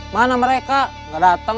mana mereka nggak datang